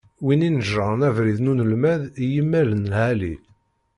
Win ineǧǧṛen abrid n unelmad i yimal n lεali.